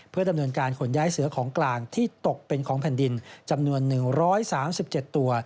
เพื่อดำเนินการขนย้ายเสือของกลางที่ตกเป็นของแผ่นดินจำนวน๑๓๗ตัว